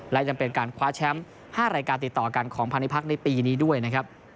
และยังเป็นการคว้าแชมป์๕รายการติดต่อกันของพาณิพักษ์ในปีนี้ด้วยนะครับ